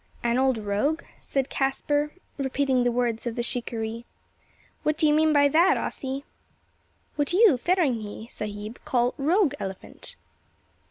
"An old rogue?" said Caspar, repeating the words of the shikaree. "What do you mean by that, Ossy?" "What you Feringhee, sahib, call rogue elephant."